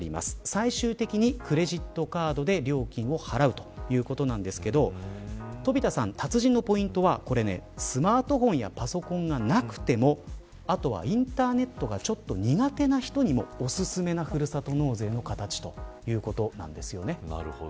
最終的にクレジットカードで料金を払うということなんですが飛田さん、達人のポイントはスマートフォンやパソコンがなくてもあとはインターネットがちょっと苦手な人にもおすすめなふるさと納税の形ということなんです。